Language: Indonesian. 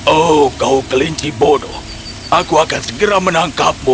oh kau kelinci bodoh aku akan segera menangkapmu